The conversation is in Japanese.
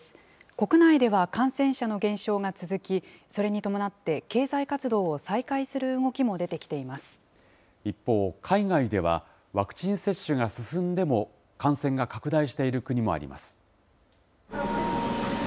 国内では感染者の減少が続き、それに伴って経済活動を再開する動一方、海外では、ワクチン接種が進んでも、感染が拡大している国もあります。